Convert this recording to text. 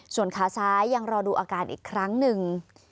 ส่วนขาซ้ายยังรอดูอาการอีกครั้งหนึ่ง